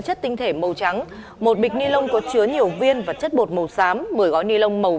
chất tinh thể màu trắng một bịch ni lông có chứa nhiều viên và chất bột màu xám một mươi gói ni lông màu